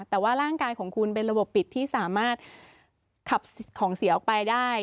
แต่ว่าร่างกายของคุณเป็นระบบปิดที่สามารถขับของเสียออกไปได้